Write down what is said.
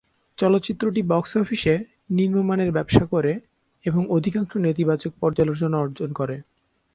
চলচ্চিত্রটি বক্স অফিসে নিম্নমানের ব্যবসা করে এবং অধিকাংশ নেতিবাচক পর্যালোচনা অর্জন করে।